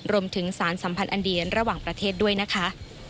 รวมถึงสารสัมพันธ์อันเดียนระหว่างประเทศด้วยนะคะ